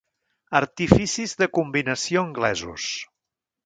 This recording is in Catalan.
Artificis de combinació anglesos.